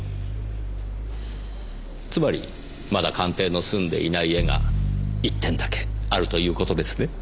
つまりまだ鑑定の済んでいない絵が１点だけあるということですね？